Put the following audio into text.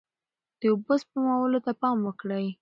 د اوبو سپمولو ته پام وکړئ.